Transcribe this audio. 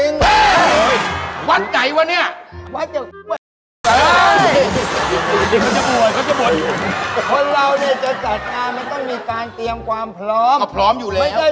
นี่เค้าเคยบวชมาตื่นมีรสบาทกี่โมงละ